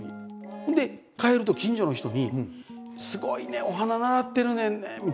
ほんで帰ると近所の人に「すごいね！お花習ってるねんね」みたいな。